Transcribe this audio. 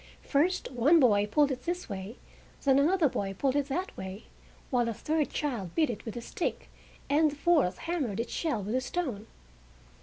First one boy pulled it this way, then another boy pulled it that way, while a third child beat it with a stick, and the fourth hammered its shell with a stone.